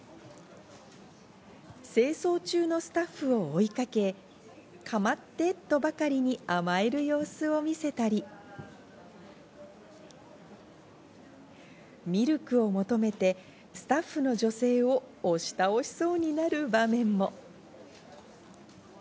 清掃中のスタッフを追いかけ、かまってとばかりに甘える様子を見せたり、ミルクを求めてスタッフの女性を押し倒しそうになる場面も。